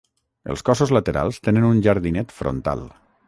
Els cossos laterals tenen un jardinet frontal.